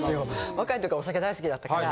若いときお酒大好きだったから。